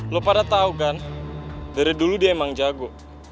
lo pada tau kan dari dulu dia emang jago